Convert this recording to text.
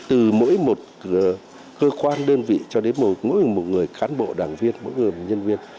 từ mỗi một cơ quan đơn vị cho đến mỗi một người khán bộ đảng viên mỗi người nhân viên